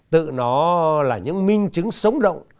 tự nó là những minh chứng sống động